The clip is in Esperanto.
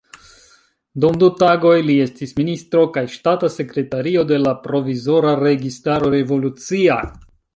Dum du tagoj li estis ministro kaj ŝtata sekretario de la provizora registaro revolucia.